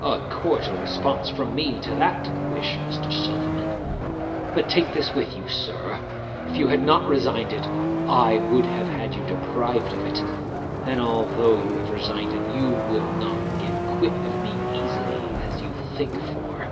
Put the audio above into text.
'A cordial response from me to that wish, Mr. Silverman! But take this with you, sir. If you had not resigned it, I would have had you deprived of it. And though you have resigned it, you will not get quit of me as easily as you think for.